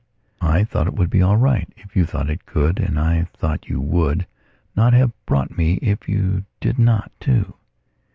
I thought it would be all right if you thought it could, and I thought you would not have brought me if you did not, too.